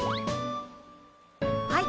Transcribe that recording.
はい。